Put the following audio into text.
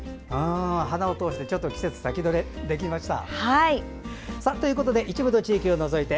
花を通して季節を先取りできました。